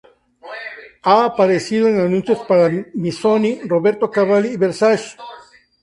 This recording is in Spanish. Ha aparecido en anuncios para Missoni, Roberto Cavalli y Versace.